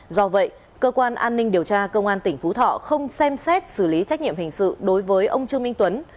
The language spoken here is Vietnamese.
do vậy cơ quan an ninh điều tra công an tỉnh phú thọ không xem xét xử lý trách nhiệm hình sự đối với ông trương minh tuấn